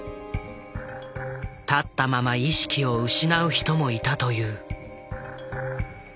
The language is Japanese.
立ったまま意識を失う人もいたという。